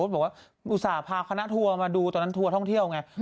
บอกว่าอุตส่าห์พาคณะทัวร์มาดูตอนนั้นทัวร์ท่องเที่ยวไง